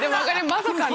まさかね。